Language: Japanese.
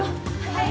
はい！